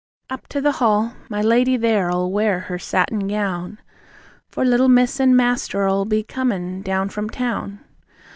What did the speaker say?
Up to the Hall, my lady there'll wear her satin gown, For little Miss and Master'll be coming down from town.